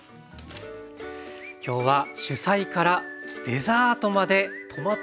今日は主菜からデザートまでトマト尽くしでした。